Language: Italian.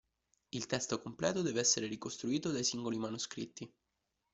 Il testo completo deve essere ricostruito dai singoli manoscritti.